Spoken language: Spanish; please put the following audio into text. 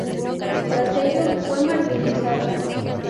Tras ello, fue martirizado.